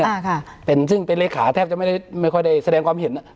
ค่ะเป็นซึ่งเป็นเลขาแทบจะไม่ได้ไม่ค่อยได้แสดงความเห็นอ่ะ